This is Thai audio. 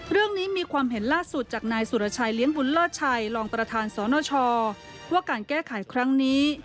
เรื่องนี้มีความเห็นล่าสุดจากนายสุรชัยเลี้ยงบุญเลิศชัยรองประธานสนชว่าการแก้ไขครั้งนี้